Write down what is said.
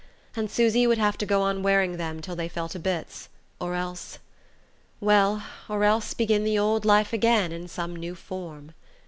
And Susy would have to go on wearing them till they fell to bits or else.... Well, or else begin the old life again in some new form....